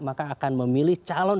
maka akan memilih calon